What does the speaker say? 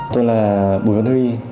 tôi là bùi văn huy